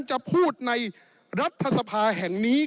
จะพูดในรัฐสภาแห่งนี้